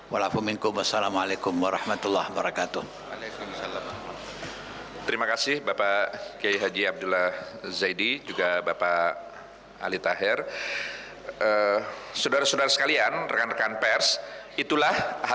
walafuminkum wassalamualaikum warahmatullah wabarakatuh